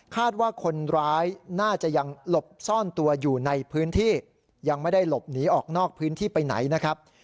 ว่าคนร้ายน่าจะยังหลบซ่อนตัวอยู่ในพื้นที่ยังไม่ได้หลบหนีออกนอกพื้นที่ไปไหนนะครับ